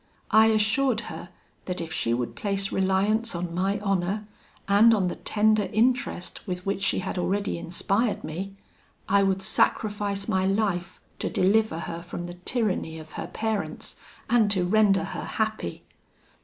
I assured her that if she would place reliance on my honour, and on the tender interest with which she had already inspired me, I would sacrifice my life to deliver her from the tyranny of her parents, and to render her happy.